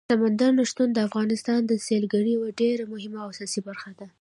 سمندر نه شتون د افغانستان د سیلګرۍ یوه ډېره مهمه او اساسي برخه ده.